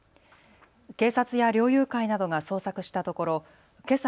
警察や猟友会などが捜索したところ、けさ